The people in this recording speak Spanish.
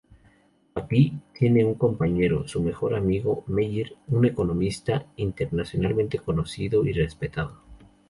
McGee tiene un compañero, su mejor amigo Meyer, un economista internacionalmente conocido y respetado.